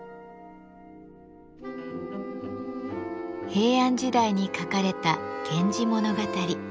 平安時代に書かれた「源氏物語」。